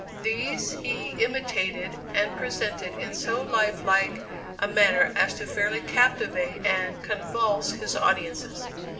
These he imitated and presented in so life like a manner, as to fairly captivate and convulse his audiences.